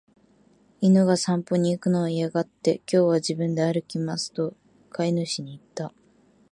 犬が散歩に行くのを嫌がって、「今日は自分で歩きます」と飼い主に言った。